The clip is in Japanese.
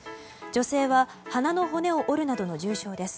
女性は鼻の骨を折るなどの重傷です。